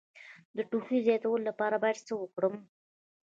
د ټوخي د زیاتوالي لپاره باید څه وکړم؟